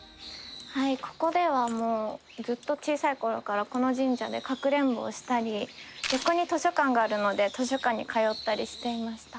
ここではもうずっと小さい頃からこの神社でかくれんぼをしたり横に図書館があるので図書館に通ったりしていました。